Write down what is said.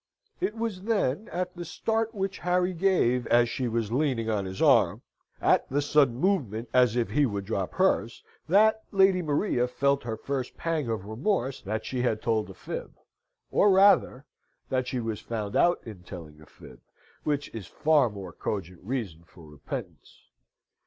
It was then, at the start which Harry gave, as she was leaning on his arm at the sudden movement as if he would drop hers that Lady Maria felt her first pang of remorse that she had told a fib, or rather, that she was found out in telling a fib, which is a far more cogent reason for repentance.